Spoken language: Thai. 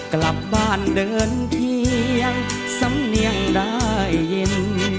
กลับบ้านเดินเคียงสำเนียงได้ยิน